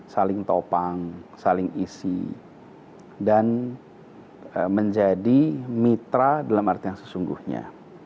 saling topang saling isi dan menjadi mitra dalam arti yang sesungguhnya